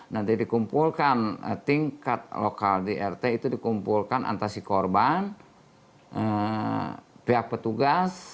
nanti dikumpulkan tingkat lokal di rt itu dikumpulkan antara si korban pihak petugas